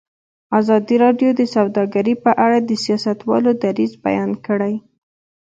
ازادي راډیو د سوداګري په اړه د سیاستوالو دریځ بیان کړی.